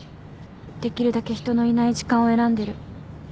できるだけ人のいない時間を選んでる。